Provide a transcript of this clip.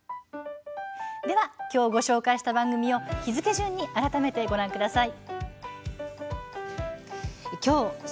ではきょうご紹介した番組を日付順に改めてご覧ください。